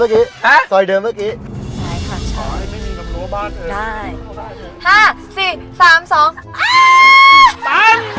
ไม่เคยหลง